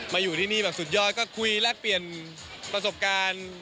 อยู่ที่นี่แบบสุดยอดก็คุยแลกเปลี่ยนประสบการณ์